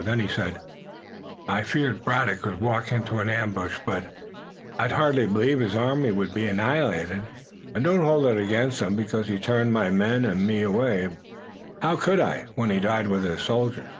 Then he said: "I feared Braddock would walk into an ambush, but I hardly believed his army would be annihilated. I don't hold it against him, because he turned my men and me away. How could I when he died with his soldiers?"